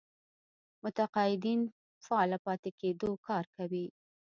متقاعدين فعاله پاتې کېدو کار کوي.